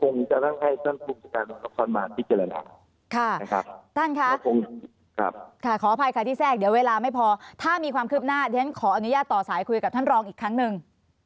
นี่ฉะนั้นขออนุญาตต่อสายคุยกับท่านรองอีกครั้งหนึ่ง